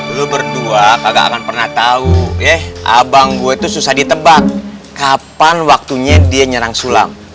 lu berdua kagak akan pernah tahu eh abang gue itu susah ditebak kapan waktunya dia nyerang sulam